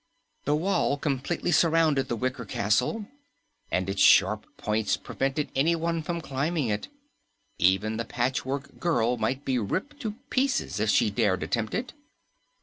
The wall completely surrounded the wicker castle, and its sharp points prevented anyone from climbing it. Even the Patchwork Girl might be ripped to pieces if she dared attempt it.